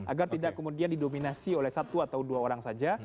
agar tidak kemudian didominasi oleh satu atau dua orang saja